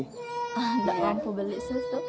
nggak mampu beli susu